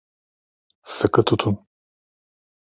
Sıkı tutun.